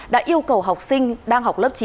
đã yêu cầu học sinh đang học lớp chín